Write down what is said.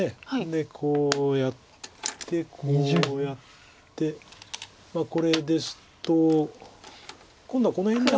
でこうやってこうやってこれですと今度はこの辺に。